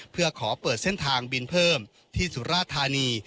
เพื่อขอเปิดเส้นทางบินเพิ่มที่สุราธานี